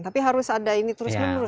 tapi harus ada ini terus menerus